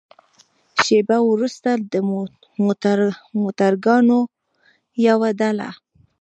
شېبه وروسته د موترګاټو يوه ډله.